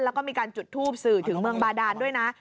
แล้วก็มีการจุดทูปสื่อถึงเมืองบาดานด้วยนะ